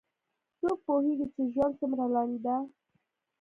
څوک پوهیږي چې ژوند څومره لنډ ده